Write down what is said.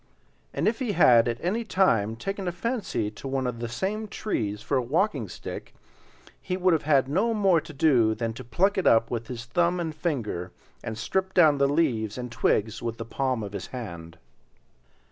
And if he had at any time taken a fancy to one of the same trees for a walking stick, he would have had no more to do than to pluck it up with his thumb and finger and strip down the leaves and twigs with the palm of his hand.